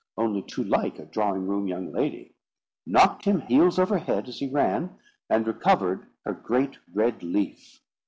only too like a drawing room young lady), knocked him heels over head as he ran, and recovered her great red leaf.